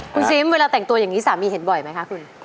คุณซิมเวลาแต่งตัวอย่างนี้สามีเห็นบ่อยไหมคะคุณ